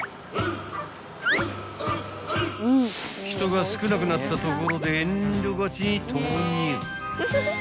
［人が少なくなったところで遠慮がちに投入］